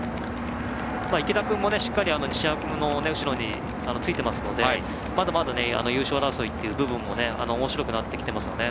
池田君もしっかり西山君の後ろについていますのでまだまだ、優勝争いという部分もおもしろくなっていますね。